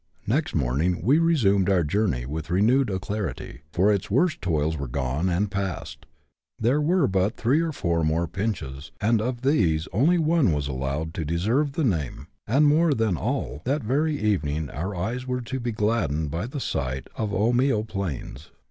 Next morning we resumed our journey with renewed alacrity ; for its worst toils were gone and past : there were but three or our more " pinches," and of these only one was allowed to 134 BUSH LIFE IN AUSTRALIA. [chap. xu. deserve the wame ; aud, more than all, that very evening our eyes were to be gladdened by a sight of Omio plains.